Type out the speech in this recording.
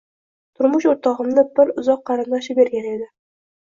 Turmush oʻrtogʻimni bir uzoq qarindoshi bergan edi